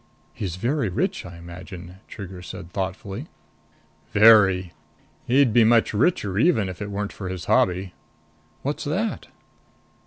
"He's very rich, I imagine?" Trigger said thoughtfully. "Very. He'd be much richer even if it weren't for his hobby." "What's that?"